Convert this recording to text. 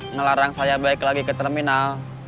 ngelarang saya balik lagi ke terminal